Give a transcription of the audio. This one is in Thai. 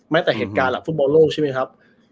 แต่เหตุการณ์หลักฟุตบอลโลกใช่ไหมครับ